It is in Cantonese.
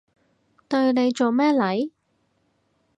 對你做咩嚟？